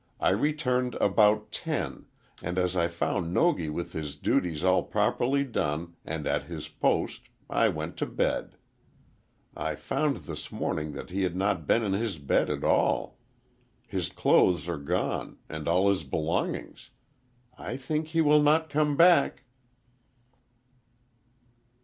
I returned about ten, and as I found Nogi with his duties all properly done, and at his post, I went to bed. I found this morning that he had not been in his bed at all. His clothes are gone, and all his belongings. I think he will not come back."